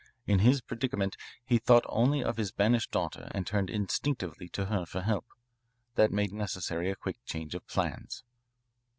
In his predicament he thought only of his banished daughter and turned instinctively to her for help. That made necessary a quick change of plans."